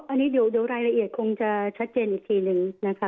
อันนี้เดี๋ยวรายละเอียดคงจะชัดเจนอีกทีนึงนะคะ